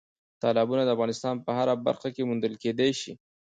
تالابونه د افغانستان په هره برخه کې موندل کېدای شي.